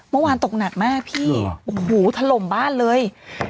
เมื่อวานตกหนักมากพี่โอ้โหถล่มบ้านเลย